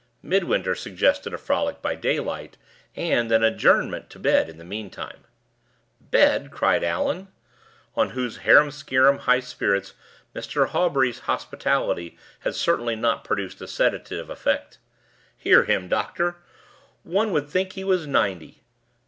Midwinter suggested a frolic by daylight, and an adjournment to bed in the meantime. "Bed!" cried Allan, on whose harum scarum high spirits Mr. Hawbury's hospitality had certainly not produced a sedative effect. "Hear him, doctor! one would think he was ninety!